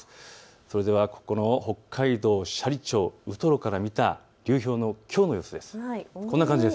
それでは北海道斜里町ウトロから見た流氷のきょうの様子です。